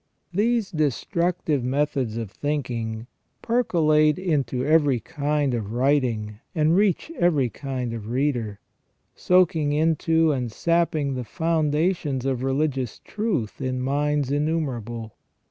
These destructive methods of thinking percolate into every kind of writing and reach every kind of reader, soaking into and sapping the foundations of religious truth in minds innumerable.